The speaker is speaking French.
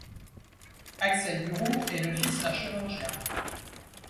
Axel Duroux est le fils d'un chirurgien.